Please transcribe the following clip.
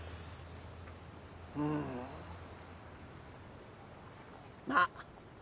うんまぁ